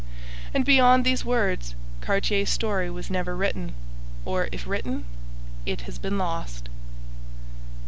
And beyond these words, Cartier's story was never written, or, if written, it has been lost.